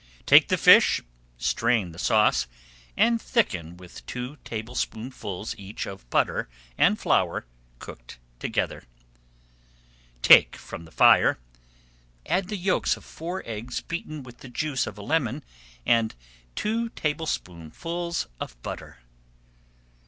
Take up the fish, strain the sauce and thicken with two tablespoonfuls each of butter and flour cooked together. Take from the fire, add the yolks of four eggs beaten with the juice of a lemon, and two tablespoonfuls of butter.